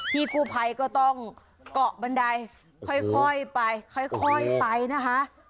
พี่กู้ภัยก็ต้องเกาะบันไดค่อยไปค่อยไปนะคะ